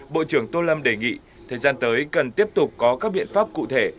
bộ trưởng tô lâm đề nghị thời gian tới cần tiếp tục có các biện pháp cụ thể